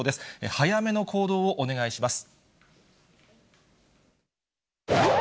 早めの行動をお願いします。